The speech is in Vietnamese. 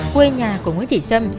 quê nhà của nguyễn thị sâm